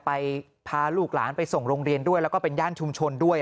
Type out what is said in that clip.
พาลูกหลานไปส่งโรงเรียนด้วยแล้วก็เป็นย่านชุมชนด้วย